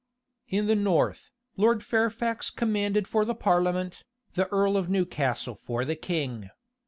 In the north, Lord Fairfax commanded for the parliament, the earl of Newcastle for the king.